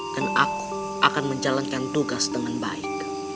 dan aku akan menjalankan tugas dengan baik